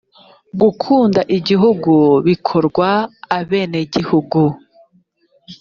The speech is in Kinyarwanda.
gukunda igihugu bikorwa abenegihugu .